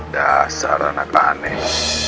dasar anak aneh